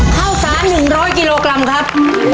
เข้าสารหนึ่งร้อยกิโลกรัมครับ